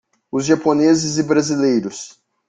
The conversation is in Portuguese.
Os Japoneses e Brasileiros.